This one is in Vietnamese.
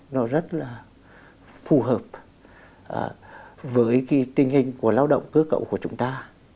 nó rất là phù hợp với cái tình hình của lao động cơ cậu của chúng ta